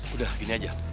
udah gini aja